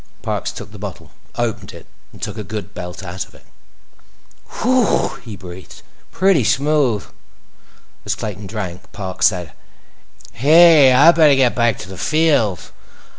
Parks took the bottle, opened it, and took a good belt out of it. "Hooh!" he breathed. "Pretty smooth." As Clayton drank, Parks said: "Hey! I better get back to the field!